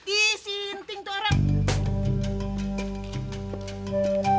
ih si inting itu orang